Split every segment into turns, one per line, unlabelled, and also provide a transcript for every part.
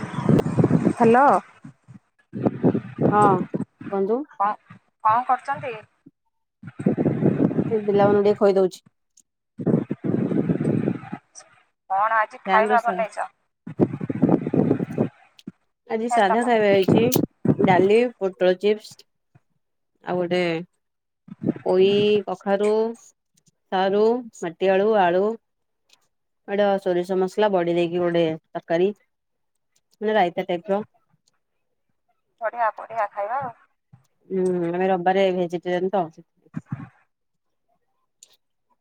Hello କ
ହଁ କୁହନ୍ତୁ
କଣ କରୁଛନ୍ତି?
ଏଇ ପିଲାମାନଙ୍କୁ ଟିକେ ଖାଇ ଦଉଛି।
କଣ ଆଜି
ଫ୍ୟାନ ର
ଖାଇବା
ସା
ବନେଇଚ? [inaudible]
ଆଜି
ଫେଣ୍ଟା
ସାଧା
ପ
ଖାଇବା ହେଇଚି। ଡାଲି ପୋଟଳ ଚିପ୍ସ ଆଉ ଗୋଟେ ପୋଇ କଖାରୁୁ ସାରୁ ମାଟିଆଳୁ ଆଳୁ କାଙ୍କଡ଼ ସୋରିଷ ମସଲା ବଢି ଦେଇକି ଗୋଟେ ତରକାରୀ ମାନେ ରାଇ। ସେୋଇପ [unintelligible]
ବଢିଆ ବଢିଆ ଖାଇବା ଆଉ।
ହୁଁ ମାନେ ରବାରେ ଭେଜିଟେରିୟନ ତ।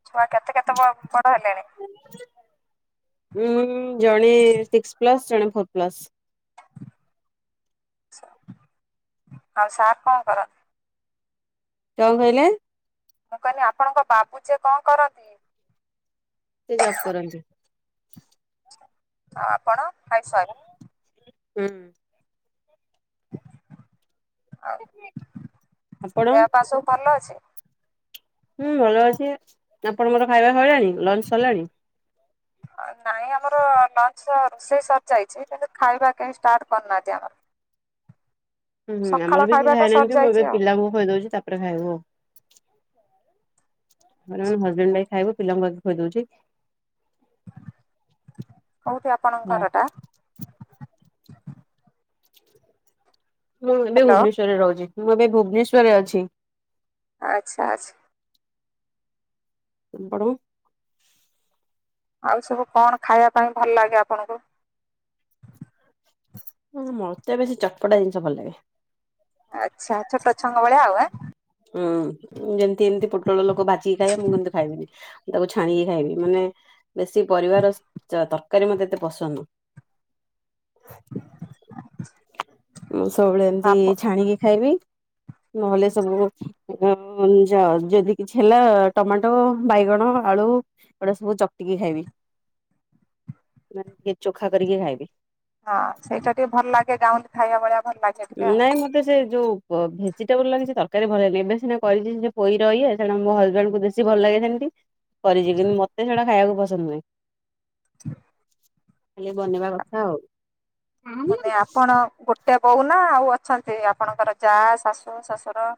ଛୁଆ କେତେ କେତେ ବ ବଡ ହେଲେଣି?
ଉଁ ଜଣେ ସିକ୍ସ ପ୍ଲସ ଜଣେ ଫୋର ପ୍ଲସ।
ଆଉ ସାର୍ କଣ କରନ୍ତି?
କଣ କଇଲେ?
ମୁଁ କହିଲି ଆପଣଙ୍କ ବାବୁ ଯେ କଣ କରନ୍ତି?
ସେ ଜବ୍ କରନ୍ତି।
ଆଉ ଆପଣ ହାଉସ୍ ୱାଫ୍।
ହୁଁ।
ଆଉ
ଆପଣ
ଦେହପା ସବୁ ଭଲ ଅଛି।
ହୁଁ ଭଲ ଅଛି ଆପଣଙ୍କର ଖାଇବା ସଇଲାଣି ଲଞ୍ଚ ସରିଲାଣି।
ନାଇଁ ଆମର ଲଞ୍ଚ ରୋଷେଇ ସରି ଯାଇଛି କିନ୍ତୁ ଖାଇବା କେହି ଷ୍ଟାର୍ଟ କରିନାହାନ୍ତି ଆମର।
ଉଁ ହୁଁ
ସକାଳ
ଆମର ବି କେହି
ଖାଇବାଟା
ଖାଇନାହାନ୍ତି ମୁଁ
ସରିଯାଇଚି
ଏବେ
ଆଉ।
ପିଲାଙ୍କୁ ଖୁଆଇଦଉଚି ତା ପରେ ଖାଇବୁ ଆଉ ହଜବେଣ୍ଡ ଖାଇବୁ ପିଲାଙ୍କୁ ଆଗ ଖୋଇଦଉଚି।
କୋଉଠି ଆପଣଙ୍କ ଘର ଟା?
ମୁଁ ଏବେ
ହାଲୋ
ଭୁବନେଶ୍ଵରରେ ରହୁଛି ମୁଁ ଏବେ ଭୁବନେଶ୍ଵରେ ଅଛି।
ଆଛା ଆଛା।
ହଉ।
ଆଉ ସବୁ କଣ ଖାଇବା ପାଇଁ ଭଲ ଲାଗେ ଆପଣଙ୍କୁ?
ଉଁ ମୋତେ ବେଶୀ ଚଟପଟା ଜିନିଷ ଭଲ ଲାଗେ।
ଆଛା ଆଛା ଛୋଟ ଛୁଆଙ୍କ ଭଳିଆ ଆଉ ଆଁ।
ଉଁ ଯେମିତି ଏମିତି ପୋଟଳ ଲୋକ ଭାଜିକି ଖାଇବେ ମୁଁ ଏମିତି ଖାଇବିନି। ତାକୁ ଛାଣିକି ଖାଇବି ମାନେ ବେଶୀ ପରିବାର ତରକାରୀ ମତେ ଏତେ ପସନ୍ଦ ନୁହ।
ହ [inaudible]
ମୁଁ ସବୁବେଳେ ଏମିତି ଛାଣିକି ଖାଇବି ନହେଲେ ସବୁ ଆ ଯ ଯଦି କିଛି ହେଲା ଟମାଟୋ ବାଇଗଣ ଆଳୁ ଏଗୁଡା ସବୁ ଚକଟିକି ଖାଇବି, ନହେଲେ ଟିକେ ଚୋଖା କରିକି ଖାଇବି।
ହଁ, ସେଇଟା ଟିକେ ଭଲ ଲାଗେ ଗାଉଁଲି ଖାଇବା ଭଳିଆ ଭଲ ଲାଗେ। ଟିକେ ଆଉ।
ନାଇଁ ମତେ ସେ ଯୋଉ। [unintelligible] କରିଚି, କିନ୍ତୁ ମୋତେ ସେଇଟା ଖାଇବାକୁ ପସନ୍ଦ ନୁହେଁ। ଖାଲି ବନେଇବା କଥା ଆଉ।
ମାନେ ଆପଣ ଗୋଟେ ବୋଉ ନା ଆଉ ଅଛନ୍ତି ଆପଣଙ୍କର ଯା, ଶାଶୁ, ଶଶୁର?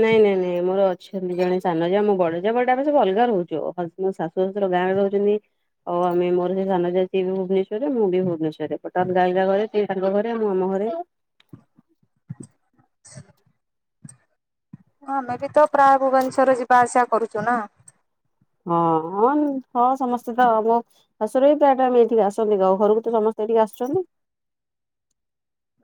ନାଇଁ ନାଇଁ ନାଇଁ, ମୋର ଅଛନ୍ତି ଜଣେ ସାନ ଯା, ମୋ ବଡ ଯା, ବଟ୍ ଆମେ ସବୁ ଅଲଗା ରହୁଚୁ। ମୋ ଶାଶୁ, ଶଶୁର ଗାଁ ରେ ରହୁଚନ୍ତି। [unintelligible]
ହଲ ହଁ, ଆମେ ବି ତ ପ୍ରାୟ ଭୁବନେଶ୍ଵର ଯିବା ଆସିଆ କରୁଚୁ ନା।
ହଁ, ହଁ, ହ ସମସ୍ତେ ତ ମୁଁ। ଶାଶୁର ବି ପ୍ରାୟ ଟାଇମ୍ ଏଠିକି ଆସନ୍ତି ଆ ଘରୁକୁ ତ ସମସ୍ତେ ଏଇଠିକି ଆସୁଚନ୍ତି।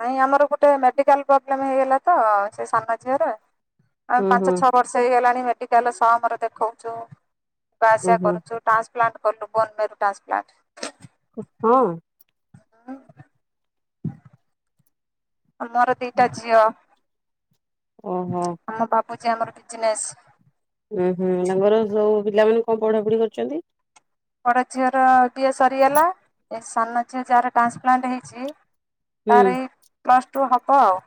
ନାଇଁ, ଆମର ଗୋଟେ ମେଡିକାଲ ପ୍ରୋବ୍ଲେମ ହେଇଗଲା ତ ସେ ସାନ ଝିଅର ଆମେ
ହୁଁ
ପାଞ୍ଚ,
ହୁଁ।
ଛଅ ବର୍ଷ। ଷ ହେଇଗଲାଣି ମେଡିକାଲ ସମ୍ ରେ ଦେଖାଉଛୁ ଯିବା
ଉୁଁ ହୁଁ
ଆସିବା କରୁଚୁ। [unintelligible]
ହଁ।
ଆ ମୋର ଦିଟା ଝିଅ।
ଓହୋ।
ଆମ ବାବୁଚି ଆମର ବିଜନେସ୍।
ଓୁଁ, ହୁଁ ତାଙ୍କର ସବୁ ପିଲାମାନେ କଣ ପଢା ପଢି କରିଚନ୍ତି?
ବଡ ଝିଅର ବିଏ ସରିଗଲା, ଏ ସାନ ଝିଅ ଯାହାର ଟ୍ରାନ୍ସପ୍ଲାଣ୍ଟ ହେଇଚି।
ହୁଁ
ତାର ଏଇ ପ୍ଲସ ଟୁ ହବ ଆଉ।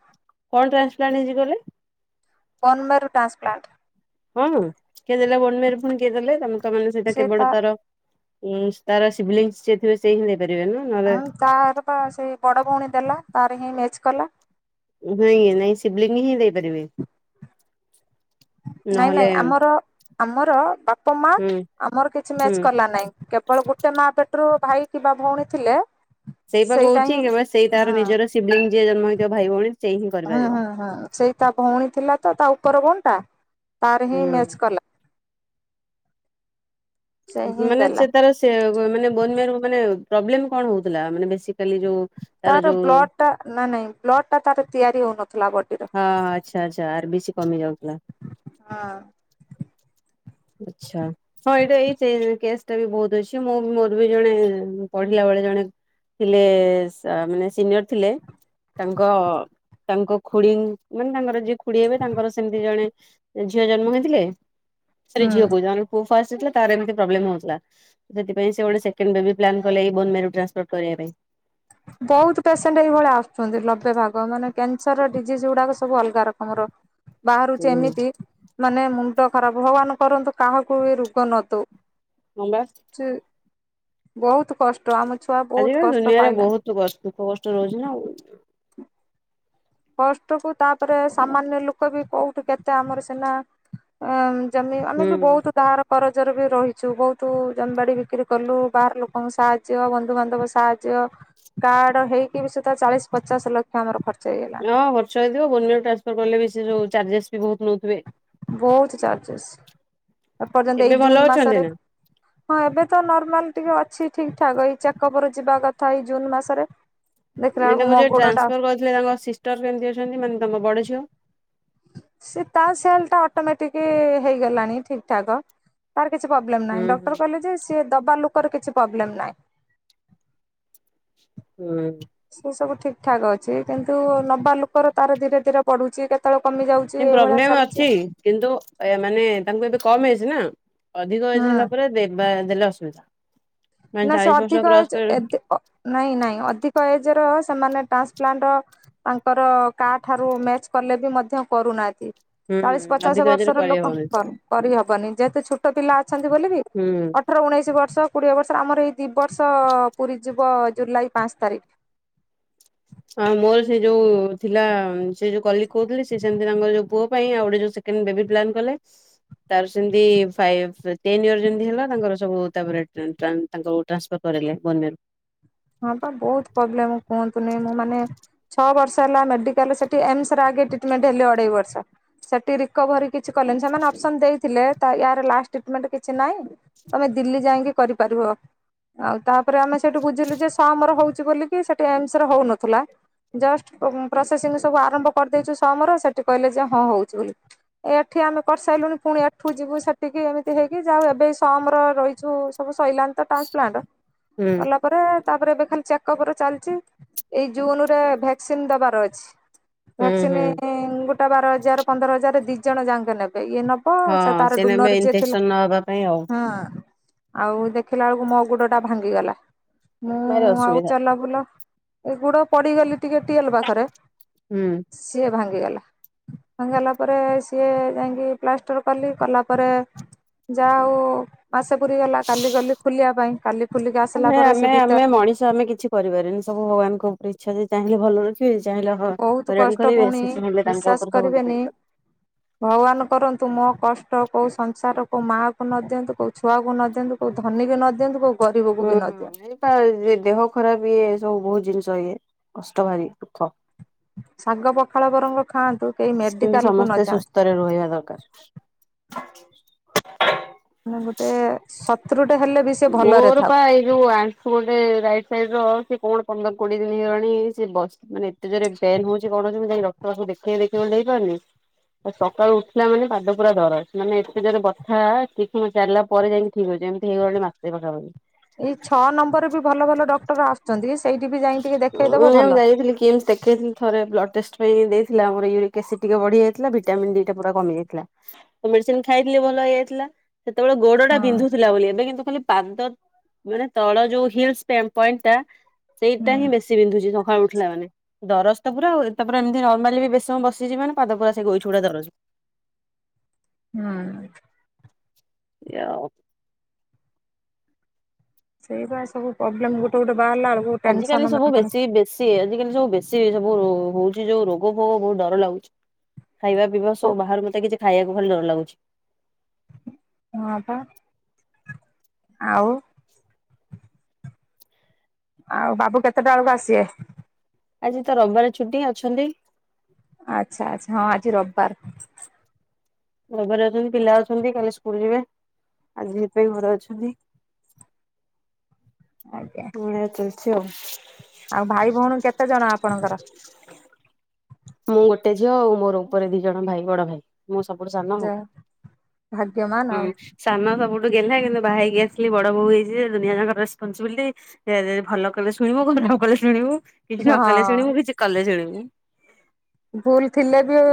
କଣ ଟ୍ରାସପ୍ଲାଣ୍ଟ ହେଇଚି କହିଲେ।
ବୋନ ମେରୁ ଟ୍ରାନ୍ସପ୍ଲାଣ୍ଟ।
ହଁ, କିଏ ଦେଲେ ବନମେରୁ ପୁଣି କିଏ ଦେଲେ ତମେ ତ ମାନେ ସେଇଟା
ସେ ତା
କେବଳ ତାର। ଉଁ, ତାର ସିବିଲିଙ୍ଗ ଯିଏ ଥିବେ ସେ ହିଁ ଦେଇପାରିବେ ନା। ନହେଲେ
ହ ତାର ବା ସେଇ ବଡ ଭଉଣୀ ଦେଲା ତାର ହିଁ ମ୍ୟାଚ କଲା।
ନାଇଁ, ନାଇଁ ଶିବଲିଙ୍ଗ ହିଁ ଦେଇପାରିବେ।
ନାଇଁ ନାଇଁ,
ନହେଲେ
ଆମର ଆମର ବାପ, ମା
ହୁଁ
ଆମର କିଛି
ହୁଁ।
ମ୍ୟାଚ କଲା ନାଇଁ। କେବଳ ଗୋଟେ ମା ପେଟରୁ ଭାଇ କିମ୍ବା ଭଉଣୀ ଥିଲେ।
ସେଇପା
ସେଇଟା
କହୁଚି
ହିଁ
କି ସେଇ ତାର
ହଁ
ନିଜର ଶିବିଲିଙ୍ଗ ଯିଏ ଜନ୍ମ ହେଇଥିବ ଭାଇ, ଭଉଣୀ। ସେଇ ହିଁ
ହୁଁ
କରିପାରିବ।
ହୁଁ ହୁଁ, ସେଇ ତା ଭଉଣୀ ଥିଲା ତ ତା ଉପର ଭଉଣୀଟା ତାର ହିଁ
ହୁଁ।
ମ୍ୟାଚ କଲା। ସେ ହିଁ
ମାନେ
ଦେଲା
ସେ ତାର। ମାନେ ବୋନମେରୁ ପ୍ରବ୍ଲେମ୍ କଣ ହଉଥିଲା ମାନେ ବେଶିକାଲୀ ଯୋଉ।
ତାର ବ୍ଲଡ ଟା ନାଇଁ ନାଇଁ ବ୍ଲଡ଼ ଟା ତାର ତିଆରି ହଉନଥିଲା ଗୋଟେ।
ହଁ ହଁ, ଆଚ୍ଛା ଆଚ୍ଛା ଆରବିସି କମି ଯାଉଥିଲା।
ହଁ।
ଆଚ୍ଛା। ହଁ, ଏଇଟା ଏଇ କେସ୍ ଟା ବି ବହୁତ ଅଛି, ମୁଁ ମୋର ବି ଜଣେ ପଢିଲା ବେଳେ ଜଣେ। ଥିଲେ ମାନେ ସିନିୟର ଥିଲେ। ତାଙ୍କ ତାଙ୍କ ଖୁଡି ଙ୍କ ମାନେ ତାଙ୍କର। ଯିଏ ଖୁଡି ହେବେ ତାଙ୍କର ସେମିତି ଜଣେ ଝିଅ ଜନ୍ମ ହେଇଥିଲେ। ସାରେ ଏ
ହୁଁ
ଝିଅକୁ ଯାହାର ପୁଅ ଫାଷ୍ଟ ହେଇଥିଲା ତାର ଏମିତି ପ୍ରୋବ୍ଲେମ୍ ହଉଥିଲା। ସେଥିପାଇଁ ସେ ଗୋଡ଼େ ସେକେଣ୍ଡ ବେବି ପ୍ଲାନ୍‌କଲେ ଏଇ ବୋନ୍‌ ମ୍ୟାରୋ ଟ୍ରାନ୍ସପୋର୍ଟ କରିଆ ପାଇଁ।
ବହୁତ ପେସେଣ୍ଟ ଏଇଭଳା ଆସୁଛନ୍ତି ଲବେ ଭାଗ ମାନେ କ୍ୟାନସରର ଡିଜିଜ ଯୋଉଗୁଡାକ ସବୁ ଅଲଗା ରକମର ବାହାରୁଚି ଏମିତି ମାନେ ମୁଣ୍ଡ ଖରାପ ଭଗବାନ କରନ୍ତୁ କାହାକୁ ଏ ରୁଗ ନ ଦଉ।
ହଁବା।
ଚି ବହୁତ କଷ୍ଟ ଆମ ଛୁଆ ବହୁତ କଷ୍ଟ ପାଇଲା
ତୁ ବସ୍ ଦୁଃଖ କଷ୍ଟରେ ରହୁଚି ନା ଆଉ।
କଷ୍ଟୁକୁ ତାପରେ ସାମାନ୍ୟ ଲୁକ ବି କଉଠି କେତେ ଆମରି ସିନା ଅଁ ଜମି ଆମେ ବି
ହୁଁ।
ବହୁତ ଧାର କରଜରେ ବି ରହିଛୁ ବହୁତ ଜମ୍ ବାଡ଼ି ବିକ୍ରି କଲୁ ବାହାର ଲୋକଙ୍କ ସାହାଯ୍ୟ ବନ୍ଧୁବାନ୍ଧବ ସାହାଯ୍ୟ କାର୍ଡ ହେଇକି ବି ସେ ତା ଚାଳିଶ ପଚାଶ ଲକ୍ଷ ଆମର ଖର୍ଚ୍ଚ ହେଇଗଲା।
ହଁ ଖର୍ଚ୍ଚ ହେଇଥିବ ବୋନ୍‌ ମ୍ୟାରୋ ଟ୍ରାନ୍ସଫର କଲେ ବି ସେ ସବୁ ଚାର୍ଜେସ୍ ବି ଭଉତ ନଉଥିବେ।
ବହୁତ ଚାର୍ଜେସ୍ ଏପର୍ଯ୍ୟନ୍ତ ଏଇ
ଏବେ ଭଲ
ଜୁନ୍
ଅଛନ୍ତି
ମାସରେ
ନା?
ହଁ ଏବେ ତ ନର୍ମାଲ ଟିକେ ଅଛି ଠିକ୍ ଠାକ୍ ଏଇ ଚେକପରେ ଯିବା କଥା ଏଇ ଜୁନ୍ ମାସରେ। ଦେଖିଲା ବେଳକୁ ମୋ ଗୋଡଟା
ନେ ତାଙ୍କ ସିଷ୍ଟର କେମିତି ଅଛନ୍ତି ମାନେ ତମ ବଡ଼ ଝିଅ?
ସେ ତା ସେଲ୍ ଟା ଅଟୋମେଟିକି ହେଇଗଲାଣି ଠିକ୍ ଠାକ। ତାର କିଛି ପବ୍ଲେମ୍
ହୁଁ
ନାହିଁ
ହୁଁ।
ଡକ୍ଟର କହିଲେ ଯେ ସିଏ ଦବା ଲୋକର କିଛି ପବ୍ଲେମ୍ ନାହିଁ।
ହୁଁ।
ସେ ସବୁ ଠିକ୍ ଠାକ୍ ଅଛି କିନ୍ତୁ ନବା ଲୁକର ତାର ଧୀରେ ଧୀରେ ବଢୁଛି କେତ୍‌ ତଳ କମି ଯାଉଛି
ହୁଁ
ଏଇଭଳିଆ
ପ୍ରୋବ୍ଲେମ
ଚାଲିଛି।
ଅଛି କିନ୍ତୁ ୟାମାନେ ତାଙ୍କୁ ଏବେ କମ୍ ଏଜ୍ ନା ଅଧିକ ଏଜ୍
ହୁଁ।
ହେଲା ପରେ ଦେବା ଦେଲେ ଅସୁବିଧା। ମାନେ
ନା ସେ
ଚାଳିଶ ବର୍ଷ
ଅଧିକ
କ୍ରସ
ଏଜ୍
କରି
ଏ ଦେ ଅ ନାଇଁ ନାଇଁ ଅଧିକ ଏଜ୍ ର ସେମାନେ ଟ୍ରାନ୍ସପ୍ଲାଣ୍ଟ ଆଙ୍କର କାଠାରୁ ମ୍ୟାଚ୍ କଲେ ବି ମଧ୍ୟ କରୁନାହାତି।
ହୁଁ
ଚାଳିଶ ପଚାଶ
ଅଧିକ ଏଜରେ
ବର୍ଷର ଲୋକ
କରିହବନି
କର୍ କରିହବନି ଯେହେତୁ ଛୋଟ ପିଲା ଅଛନ୍ତି ବୋଲିକି
ହୁଁ।
ଠର ଉଣେଇଶି ବର୍ଷ କୋଡିଏ ବର୍ଷ ଆମର ଏଇ ଦି ବର୍ଷ ପୁରୀ ଯିବ ଜୁଲାଇ ପାଞ୍ଚ୍ ତାରିଖ।
ଆଉ ମୋର ସେ ଯୋଉ ଥିଲା ସେ ଯୋଉ କଲିକ୍ କହୁଥିଲି ସେ ସେମତି ତାଙ୍କର ଯୋଉ ପୁଅ ପାଇଁ ଆଉ ଗୋଟେ ଯୋଉ ସେକେଣ୍ଡ ବେବି ପ୍ଲାନ୍ କଲେ। ତାର ସେମତି ଫାଇଭ୍ ଟେନ ଇୟର ଯେମିତି ହେଲା ତାଙ୍କର ସବୁ ତାପରେ ଟ ଟ୍ରାନ୍ ତାଙ୍କୁ ଟ୍ରାନ୍ସଫର୍ କରେଇଲେ ବୋନ୍ ମ୍ୟାରୋ।
ହଁ ପା ବହୁତ ପୋବ୍ଲେମ୍ କୁହନ୍ତୁନି ମୁଁ ମାନେ ଛଅ ବର୍ଷ ହେଲା ମେଡିକାଲ ସେଠି ଏମ୍ସ ର ଆଗେ ଟ୍ରିଟମେଣ୍ଟ୍ ହେଲି ଅଢ଼େଇ ବର୍ଷ ସେଠି ରି କୋଭରି କିଛି କଲେନି ସେମାନେ ଅପସନ୍ ଦେଇଥିଲେ ତା ୟାର ଲାଷ୍ଟ୍ ଟିଟମେଣ୍ଟ କିଛି ନାହିଁ। ତମେ ଦିଲ୍ଲୀ ଯାଇଁକି କରିପାରିବ ଆଉ ତାପରେ ଆମେ ସେଇଠୁ ବୁଝିଲୁ ଆମର ହଉଚି ବୋଲିକି ସେଠି ଏମ୍ସରେ ହଉନଥିଲା। ଜଷ୍ଟ ପ ପ୍ରୋସେସିଂ ସବୁ ଆରମ୍ଭ କରିଦେଇଛୁ ସମ୍ ର ସେଠି କହିଲେ ଯେ ହଁ ହଉଛି ବୋଲି। ଏଠି ଆମେ କରିସାଇଲୁଣି ପୁଣି ଏଠୁ ଯିବୁ ସେଟିକି ଏମିତି ହେଇକି ଯାଉ ଏବେ ସମ୍ ର ରହିଛୁ। ସବୁ ସଇଲାଣି ତ ଟାନ୍ସପ୍ଲାଣ
ହୁଁ
କଲା ପରେ ତାପରେ ଏବେ ଖାଲି ଚେକପର ଚାଲଚି ଏଇ ଜୁନ୍ ରେ ଭେକ୍ସିନ ଦବାର ଅଛି।
ହୁଁ
ଭ୍ୟାକ୍ସିନି
ହୁଁ।
ଗୋଟା ବାର ହଜାର ପନ୍ଦର ହଜାର ଦି ଜଣ ଯାଆଙ୍କେ ନେବେ ଇଏ ନବ୍‌ ହ ସେ
ହଁ
ତାର
ସେନା ଏବେ
ଡୁନର ଯିଏ ଥିଲା
ଇନଫେକ୍ସନ ନହବା ପାଇଁ ଆଉ
ହଁ। ଆଉ ଦେଖିଲା ଏଳକୁ ମୋ ଗୁଡ ଟା ଭାଙ୍ଗିଗଲା।
ଭାରି
ମୁଁ ଆଉ
ଅସୁବିଧା
ଚାଲା ବୁଲା ଏଗୁଡ ପଡିଗଲି ଟିକେ ଟିଏଲ ପାଖରେ।
ହୁଁ।
ସିଏ ଭାଙ୍ଗିଗଲା। ଭାଙ୍ଗିଗଲା ପରେ ସିଏ ଯାଇଁକି ପ୍ଲାଷ୍ଟର କଲି, କଲା ପରେ ଯା ହଉ ମାସେ ପୁରୀ ଗଲା କାଲି ଗଲି ଖୋଲିବା ପାଇଁ କାଲି ଖୋଲିକି ଆସିଲା
ଆମେ
ପରେ
ଆମେ
ସେ ଭି
ଆମେ ମଣିଷ ଆମେ କିଛି କରିପାରେନି ସବୁ ଭଗବାନଙ୍କ ଉପରେ ଇଚ୍ଛା ଯେ ଚାହିଁଲେ ଭଲରେ ହୁଁ ଚାହିଁଲେ ହଁ
ବହୁତ
ହଇରାଣ
କଷ୍ଟ
କରିବେ
ଭଉଣୀ
ସେ ଚାହିଁଲେ ତାଙ୍କ
ବିଶ୍ଵାସ
ଉପରେ ସବୁ ଡିପେଣ୍ଡ
କରିବେନି
କରେ।
ଭଗବାନ କରନ୍ତୁ ମୋ କଷ୍ଟ କୋଉ ସଂସାର କୋଉ ମାଆ କୁ ନ ଦିଅନ୍ତୁ କୋଉ ଛୁଆକୁ ନ ଦିଅନ୍ତୁ। କୋଉ ଧନୀ ନ ଦିଅନ୍ତୁ କୋଉ ଗରିବକୁ ବି ନ ଦିଅନ୍ତୁ।
ଟା ଯେ ଦେହ ଖରାପ ଇଏ ସବୁ ବହୁତ ଜିନିଷ ଇଏ କଷ୍ଟ ଭାରି ଦୁଃଖ।
ଶାଗ ପଖାଳ ବରଂ ଖାଆନ୍ତୁ କେହି
କିନ୍ତୁ
ମେଡିକାଲକୁୁ
ସମସ୍ତେ
ନଯାଆନ୍ତୁ।
ସୁସ୍ଥରେ ରହିବା ଦରକାର।
ମାନେ ଗୋଟେ ଶତ୍ରୁଟେ ହେଲେ ବି। ସେ ଭଲରେ
ମୋର
ଥାଉ।
ପା ଏଇ ଯୋଉ ଆଣ୍ଠ୍- ସେ ଗୋଟେ ରାଇଟ୍ ସାଇଡ଼ର ସେ କଣ ପନ୍ଦର କୋଡିଏ ଦିନ ହେଇଗଲାଣି ସେ ବସ ମାନେ ଏତେ ଜୋରରେ ପନ୍ ହଉଛି କଣହଉଛି ମୁଁ ଯାଇକ ଡକ୍ଟରଙ୍କୁ ଦେଖେଇ ଦେଖେଇବି ବୋଲି ଯାଇପାରୁନି। ସକାଳୁ ଉଠିଲା ମାନେ ପାଦ ପୁରା ଦରଜ ମାନେ ଏତେ ଜୋରେ ବଥା କିଛି ସମୟ ଚାଲିଲା ପରେ ଯାଇକି। ଠିକ ଅଛି ଏମିତି ହେଇଗଲାଣି ମାସେ ପାଖାପାଖି।
ଏଇ ଛଅ ନମ୍ବରରେ ବି ଭଲ ଭଲ ଡକ୍ଟର ଆସୁଛନ୍ତି। ସେଇଠି ବି ଯାଇକି ଟିକେ ଦେଖେଇଦବ
ମୁଁ
ଭଲ।
ଏମତି ଯାଇଥିଲି, କିମ୍ସ ଦେଖେଇଥିଲି। ଥରେ ବ୍ଲଡ ଟେଷ୍ଟ ପାଇଁ ଦେଇଥିଲା ମୋର ୟୁରିକ୍ ଏସିଡ଼ ଟିକେ ବଢିଯାଇଥିଲା, ଭିଟାମିନ୍ ଡ଼ି ଟା ପୁରା କମି ଯାଇଥିଲା। ମେଡିସିନ ଖାଇଥିଲି ଭଲ ହେଇଯାଇଥିଲା। ସେତେବେଳେ ଗୋଡ ଟା
ହଁ
ବିନ୍ଧୁଥିଲା ବୋଲି, ଏବେ କିନ୍ତୁ ଖାଲି ପାଦ- ମାନେ ତଳ ଯୋଉ ହିଲ୍ସ୍ ପେନ୍ ପଏଣ୍ଟ ଟା ସେଇଟା
ହୁଁ
ହିଁ ବେଶୀ ବିନ୍ଧୁଛି, ସକାଳୁ ଉଠିଲା ମାନେ। ଦରଜ ତ ପୁରା ଆଉ [unintelligible] ଏମତି ନର୍ମାଲି ବି ବେଶୀ ସମୟ ବସି ଯିବିନ ନା ପାଦ ପୁରା ସେ ଗୋଇଠି ଉଡା ଦରଜ।
ହୁଁ
ଇଆଓ
ସେଇ ପାଇଁ ସବୁ ପ୍ରୋବ୍ଲେମ ଗୋଟେ ଗୋଟେ ବାହାରିଲା ବେଳକୁ ଟେନସନ
ଆଜିକାଲି ସବୁ
ମଣିଷ।
ବେଶୀ ବେଶ ଆଜିକାଲି ସବୁ ବେଶୀ ସବୁ ହଉଛି ଯୋଉ ରୋଗ ଫୋଗ ବହୁତ ଡର ଲାଗୁଛି ଖାଇବା ପିଇବା।
ହଁ
ସବୁ ବାହାରୁ ମତେ କିଛି ଖାଇବାକୁ ଭାରୀ ଡର ଲାଗୁଛି।
ହଁ ପା ଆଉ ଆଉ ବାବୁ କେତେଟା ବେଳକୁ ଆସିବେ।
ଆଜି ତ ରବିବାର ଛୁଟି ଅଛନ୍ତି।
ଆଚ୍ଛା ଆଚ୍ଛା ହଁ ଆଜି ରବିବାର।
ରବିବାର ଅଛନ୍ତି, ପିଲା ଅଛନ୍ତି, କାଲି ସ୍କୁଲ ଯିବେ। ଆଜି ସେଇଥିପାଇଁ ଘରେ ଅଛନ୍ତି।
[inaudible]
ବୁଣା ଚାଲିଛି ଆଉ,
ଆଉ ଭାଇ ଭଉଣୀ କେତେ ଜଣ ଆପଣଙ୍କର
ମୁଁ ଗୋଟେ ଝିଅ ଆଉ ମୋର ଉପରେ ଦି ଜଣ ଭାଇ ବଡ ଭାଇ। ମୁଁ ସବୁଠୁ ସାନ,
ଯେ ଭାଗ୍ୟମାନ
ହୁଁ
ଆଉ।
ସାନ ସବୁଠୁ ଗେହ୍ଲା, କିନ୍ତୁ ବାହା ହେଇକି ଆସିଲି ବଡ ବୋହୁ ହେଇଛି ଦୁନିଆାଙ୍କର ରେସ୍ପନସିବିଲିଟି ସେ ଭଲ କଲେ ଶୁଣିବୁ ନ କଲେ ଶୁଣିବୁ କିଛି ନ କଲେ ଶୁଣିବୁ
ହଁ
କିଛି କଲେ ଶୁଣିବୁ।
ଭୁଲ୍ ଥିଲେ ବି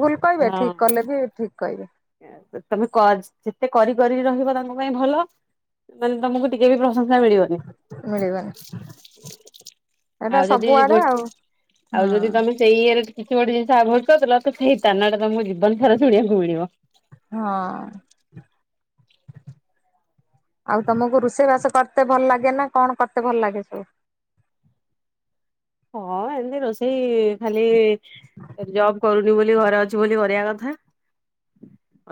ଭୁଲ୍ କହିବେ, ଠିକ୍
ହଁ।
କଲେ ବି ଠିକ୍ କହିବେ।
ତମେ [unintelligible] ଯେତେ କରି କରିି ରହିବ ତାଙ୍କ ପାଇଁ ଭଲ ତାହେଲେ ତମକୁ ଟିକେ ବି ପ୍ରଶଂସା ମିଳିବନି
ମିଳିିବନି। ଏଟା
ଆଉ ଯଦି
ସବୁଆଡେ ଆଉ,
ଆଉ
ହୁଁ।
ଯଦି ତମେ ସେଇ ଇଏରେ କିଛି ଗୋଟେ ଜିନିଷ କରିଦେଲ ତ ସେଇ ତାନା ଟା ତମକୁ ଜୀବନ ସାରା ଶୁଣିବାକୁ ମିଳିବ।
ହଁ। [inaudible] ଆଉ ତମକୁ ରୋଷେଇ ବାସ କରତେ ଭଲ ଲାଗେ ନା କଣ କରତେ ଭଲ ଲାଗେ ସବୁ।
ହଁ, ଏମିତି ରୋଷେଇ ଖାଲି ଜବ୍ କରୁନି ବୋଲି ଘରେ ଅଛି ବୋଲି କରିବା କଥା।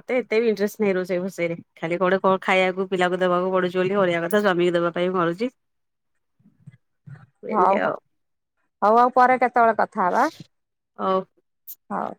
ମତେ ଏତେ ବି ଇଣ୍ଟରେଷ୍ଟ ନାହିଁ ରୋଷେଇ, ଫୋସେଇରେ। ଖାଲି କ-ଗୋଟେ କ -ଖାଇବାକୁ ପିଲାକୁ ଦବାକୁ ପଡୁଚି ବୋଲି କରିବା କଥା ସ୍ଵାମୀକୁ ଦବା ପାଇଁ କରୁଚି।
[inaudible]
ଏମିତି
ହଉ,
ଆଉ
ହଉ, ହଉ, ଆଉ ପରେ କେତେବେଳେ କଥା ହବା
ହଉ
ହଉ।